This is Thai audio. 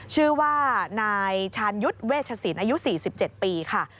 ชื่อว่านายชาญยุทธ์เวชศิลป์อายุ๔๗ปีค่ะ